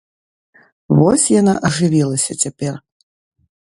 Вось яна ажывілася цяпер.